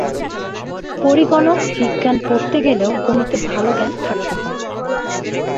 পরিগণক বিজ্ঞান পড়তে গেলেও গণিতে ভালো জ্ঞান থাকতে হয়।